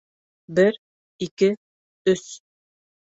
Бер... ике... өс...